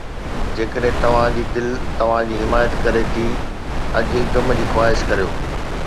جيڪڏهن توهان جي دل توهان جي حمايت ڪري ٿي، اڄ غم جي خواهش ڪريو